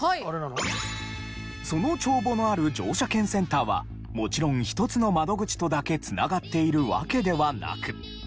その帳簿のある乗車券センターはもちろん１つの窓口とだけ繋がっているわけではなく。